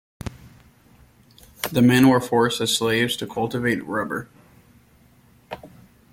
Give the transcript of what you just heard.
The men were forced as slaves to cultivate rubber.